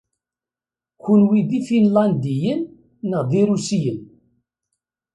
Kunwi d Ifinlandiyen neɣ d Irusiyen?